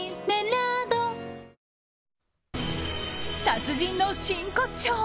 達人の真骨頂！